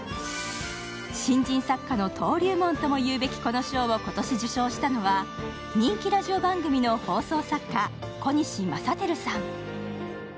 新人作家の登竜門ともいうべきこの賞を今年受賞したのは、人気ラジオ番組の放送作家、小西マサテルさん。